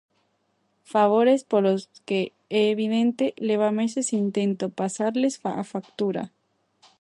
Favores polos que, é evidente, leva meses intento pasarlles a factura.